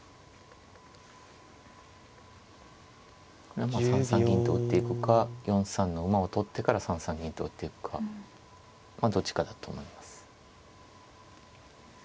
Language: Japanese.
これはまあ３三銀と打っていくか４三の馬を取ってから３三銀と打っていくかどっちかだと思います。